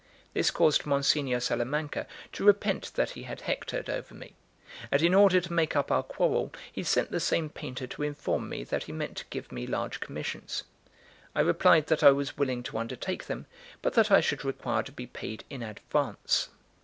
This caused Monsignor Salamanca to repent that he had hectored over me; and in order to make up our quarrel, he sent the same painter to inform me that he meant to give me large commissions. I replied that I was willing to undertake them, but that I should require to be paid in advance.